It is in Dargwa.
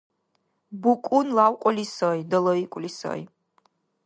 БукӀун лявкьули сай, далайикӀули сай.